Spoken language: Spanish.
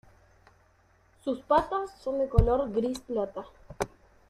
Sus patas son de color gris plata.